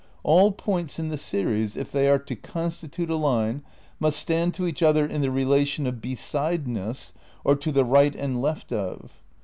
all points in the series, if they are to constitute a line, must stand to each other in the relation of 'besideness' or 'to the right and left of.